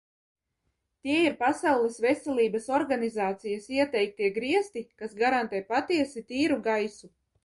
Tie ir Pasaules Veselības organizācijas ieteiktie griesti, kas garantē patiesi tīru gaisu.